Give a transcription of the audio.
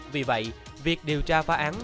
vì vậy việc điều tra phá án